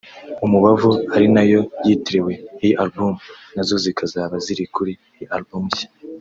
Umubavu ari nayo yitiriwe iyi album nazo zikazaba ziri kuri iyi album nshya